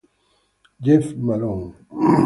Jeff Malone